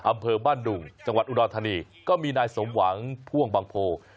อำเภอบ้านดุงจังหวัดอุดรธานีก็มีนายสมหวังพ่วงบางโพ